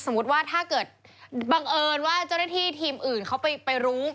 ว่าถ้าเกิดบังเอิญว่าเจ้าหน้าที่ทีมอื่นเขาไปรู้